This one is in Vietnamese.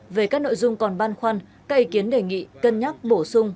về các nội dung còn ban khoăn các ý kiến đề nghị cân nhắc bổ sung